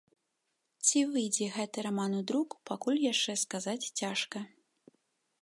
Ці выйдзе гэты раман у друк, пакуль яшчэ сказаць цяжка.